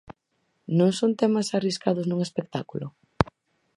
Non son temas arriscados nun espectáculo?